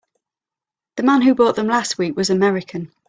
The man who bought them last week was American.